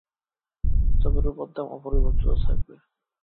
তবে রুপার দাম অপরিবর্তিত থাকবে।